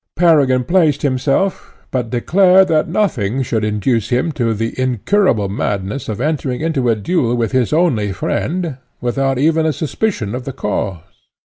Peregrine placed himself, but declared that nothing should induce him to the incurable madness of entering into a duel with his only friend, without even a suspicion of the cause.